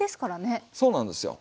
そうなんですよ。